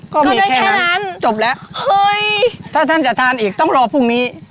ก็ไม่ได้แค่นั้นจบแล้วเฮ้ยถ้าท่านจะทานอีกต้องรอพรุ่งนี้